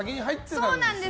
そうなんです。